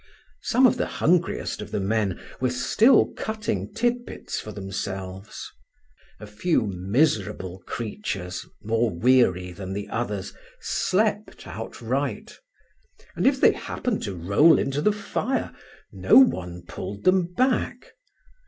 Some of the hungriest of the men were still cutting tidbits for themselves. A few miserable creatures, more weary than the others, slept outright; and if they happened to roll into the fire, no one pulled them back.